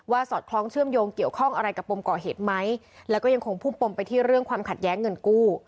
สอดคล้องเชื่อมโยงเกี่ยวข้องอะไรกับปมก่อเหตุไหมแล้วก็ยังคงพุ่งปมไปที่เรื่องความขัดแย้งเงินกู้